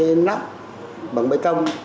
bằng nắp bằng bê tông